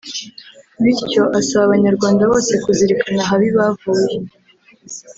bityo asaba Abanyarwanda bose kuzirikana ahabi bavuye